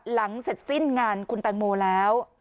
หลังเสร็จสิ้นงานคุณแตงโมแล้ว